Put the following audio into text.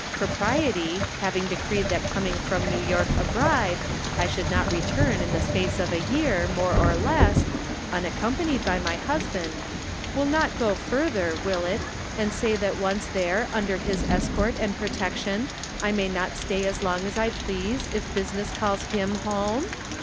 Propriety, having decreed that coming from New York a bride, I should not return in the space of a year, more or less, unaccompanied by my husband, will not go further, will it, and say that once there under his' escort and protection, I may not stay as long as I please, if business calls him home